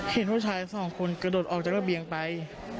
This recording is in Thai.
เห็นผู้ชายสองคนกระโดดออกจากระเบียงไป